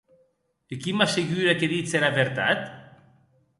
E qui m'assegure que ditz era vertat?